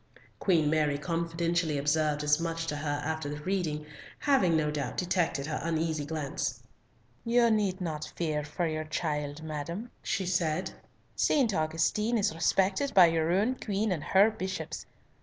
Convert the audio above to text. Queen Mary confidentially observed as much to her after the reading, having, no doubt, detected her uneasy glance. "You need not fear for your child, madam," she said; "St. Augustine is respected by your own Queen and her Bishops.